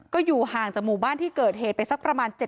ก็อยู่ห่างจากหมู่บ้านที่เกิดเหตุไปสักประมาณ